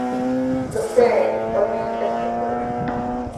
The Fang are the main ethnic group.